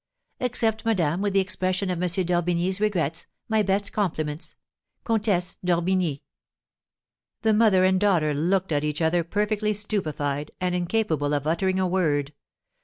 Accept, madame, with the expression of M. d'Orbigny's regrets, my best compliments. "'COMTESSE D'ORBIGNY.'" The mother and daughter looked at each other perfectly stupefied, and incapable of uttering a word.